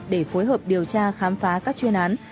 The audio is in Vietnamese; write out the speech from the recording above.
để phối hợp điều tra khám phá các chuyên án